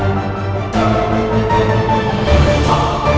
ngambil berus mama aja